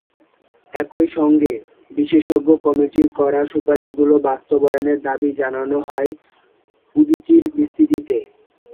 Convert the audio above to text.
একই সঙ্গে বিশেষজ্ঞ কমিটির করা সুপারিশগুলো বাস্তবায়নের দাবি জানানো হয় উদীচীর বিবৃতিতে।